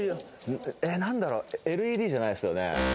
えっ何だろうＬＥＤじゃないですよね。